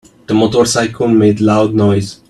The motorcycle made loud noise.